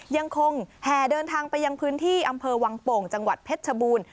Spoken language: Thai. ยังคงแห่เดินทางไปยังพื้นที่อำเภอวังโป่งจังหวัดเพชรชบูรณ์